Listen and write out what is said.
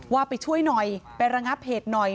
ว่าไปช่วยหน่อยไประงับเหตุหน่อย